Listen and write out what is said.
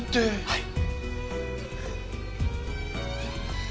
はい。